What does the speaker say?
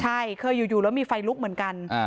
ใช่เคยอยู่แล้วมีไฟลุกเหมือนกัน